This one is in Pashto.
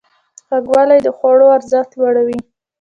خوږوالی د خوړو ارزښت لوړوي.